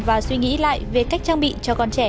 và suy nghĩ lại về cách trang bị cho con trẻ